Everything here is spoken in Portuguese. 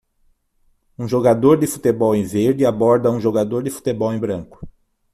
Um jogador de futebol em verde aborda um jogador de futebol em branco